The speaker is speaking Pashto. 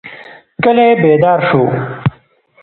کلی بیدار شو.